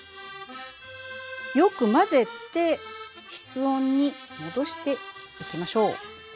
よく混ぜて室温に戻していきましょう。